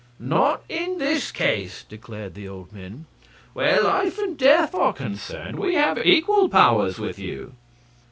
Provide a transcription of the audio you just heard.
"Not in this case," declared the old men. "Where life and death are concerned we have equal powers with you."